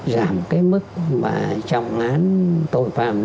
giảm cái mức mà trọng án tội phạm